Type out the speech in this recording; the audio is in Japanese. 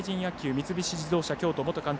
三菱自動車京都元監督